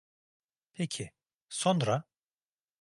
Peki, sonra?